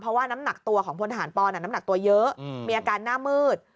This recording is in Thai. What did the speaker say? เพราะว่าน้ำหนักตัวของพลทหารปอนน้ำหนักตัวเยอะมีอาการหน้ามืด